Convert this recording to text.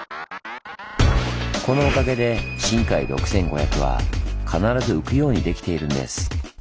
このおかげでしんかい６５００は必ず浮くようにできているんです。